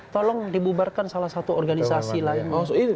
tolong dibubarkan salah satu organisasi lain